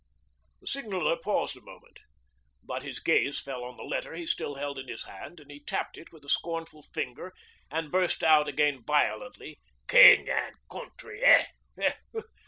The Signaller paused a moment. But his gaze fell on the letter he still held in his hand, and he tapped it with a scornful finger and burst out again violently: 'King an' Country huh!